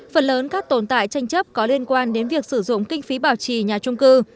phần lớn các tồn tại tranh chấp có liên quan đến việc sử dụng kinh phí bảo trì nhà trung cư